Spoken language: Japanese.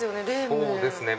そうですね